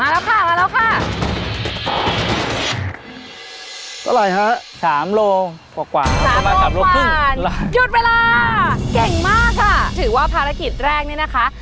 เร็วค่ะตัวสุดท้ายเร็วมาแล้วค่ะมาแล้วค่ะ